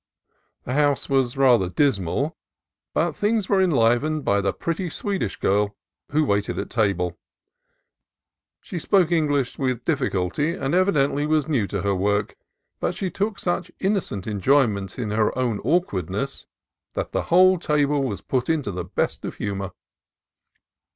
The house was rather dismal, but things were enlivened by the pretty Swedish girl who waited at table. She spoke English with difficulty, and evidently was new to her work, but she took such innocent enjoyment in her own awkwardness that the whole table was put into the best of humor.